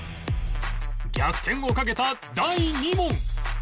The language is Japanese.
逆転をかけた第２問